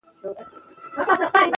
د پیسو مینه باید زړه تور نکړي.